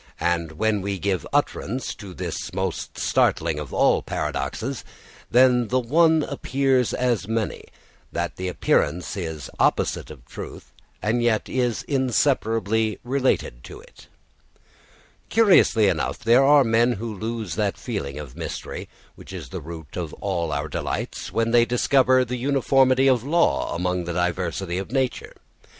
And then we give utterance to this most startling of all paradoxes, that the One appears as many, that the appearance is the opposite of truth and yet is inseparably related to it. Curiously enough, there are men who lose that feeling of mystery, which is at the root of all our delights, when they discover the uniformity of law among the diversity of nature.